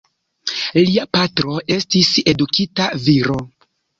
Lia patro estis edukita viro.